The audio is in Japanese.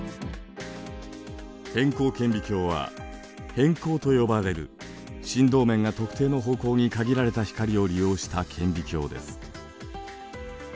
偏光顕微鏡は偏光と呼ばれる振動面が特定の方向に限られた光を利用した顕微鏡です。